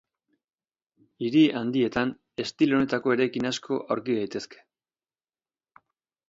Hiri handietan, estilo honetako eraikin asko aurki daitezke.